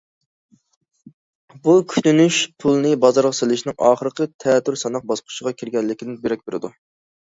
بۇ كۈتۈنۈش پۇلىنى بازارغا سېلىشنىڭ ئاخىرقى تەتۈر ساناق باسقۇچىغا كىرگەنلىكىدىن دېرەك بېرىدۇ.